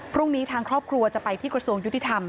พรุ่งนี้ทางครอบครัวจะไปที่กระทรวงยุติธรรม